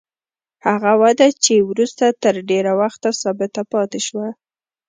هغه وده چې وروسته تر ډېره وخته ثابته پاتې شوه.